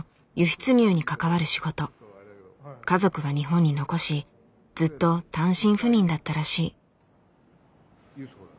家族は日本に残しずっと単身赴任だったらしい。